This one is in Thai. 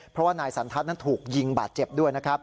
เพราะว่านายสันทัศน์นั้นถูกยิงบาดเจ็บด้วยนะครับ